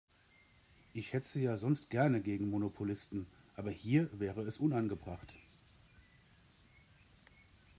Ich hetze ja sonst gerne gegen Monopolisten, aber hier wäre es unangebracht.